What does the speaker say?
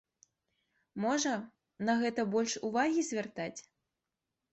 Можа, на гэта больш увагі звяртаць?